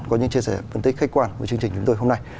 có những chia sẻ phân tích khách quan với chương trình chúng tôi hôm nay